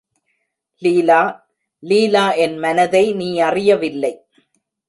லீலா, லீலா என் மனதை நீ யறியவில்லை.